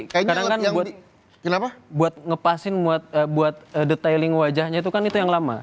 karena kan buat ngepasin buat detailing wajahnya itu kan itu yang lama